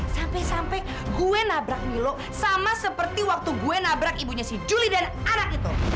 sampai sampai gue nabrak nih lo sama seperti waktu gue nabrak ibunya si julie dan anak itu